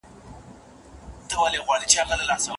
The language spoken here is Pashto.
استاد پرون په ټولګي کي زده کوونکو ته ډېره خوښي ووېشله.